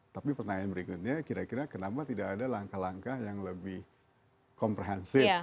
tapi pertanyaan berikutnya kira kira kenapa tidak ada langkah langkah yang lebih komprehensif